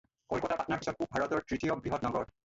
কলকাতা, পাটনাৰ পিছত পূব ভাৰতৰ তৃতীয় বৃহৎ নগৰ।